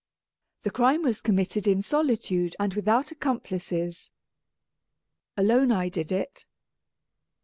The crime was committed in solitude and without accomplices. Alone I did it.